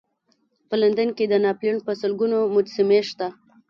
په لندن کې د ناپلیون په سلګونو مجسمې شته.